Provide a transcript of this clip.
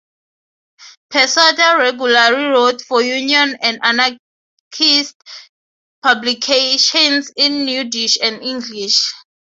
Pesotta regularly wrote for union and anarchist publications in Yiddish and English.